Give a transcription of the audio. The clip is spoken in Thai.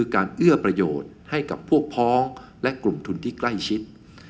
การเอื้อประโยชน์ให้กับพวกพ้องและกลุ่มทุนที่ใกล้ชิด